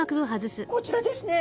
こちらですね。